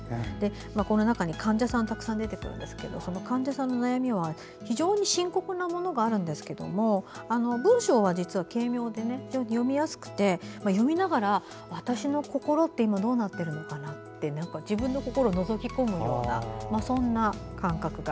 この中に患者さんがたくさん出てくるんですけどその患者さんの悩みは非常に深刻なものがあるんですけども、文章は軽妙で読みやすくて読みながら私の心はどうなっているのかなって自分の心をのぞき込むような、そんな感覚が。